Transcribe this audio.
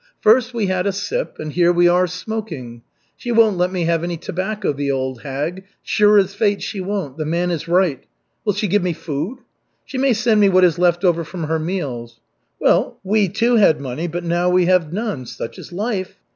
"First, we had a sip, and here we are smoking. She won't let me have any tobacco, the old hag, sure as fate she won't, the man is right. Will she give me food? She may send me what is left over from her meals. Well, we, too, had money, but now we have none. Such is life.